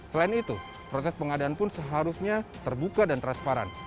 selain itu proses pengadaan pun seharusnya terbuka dan transparan